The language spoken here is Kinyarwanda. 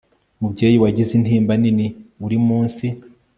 mubyeyi wagize intimba nini, uri munsi